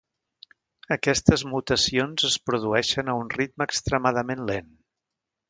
Aquestes mutacions es produeixen a un ritme extremadament lent.